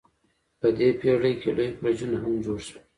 په دې پیړۍ کې لوی برجونه هم جوړ شول.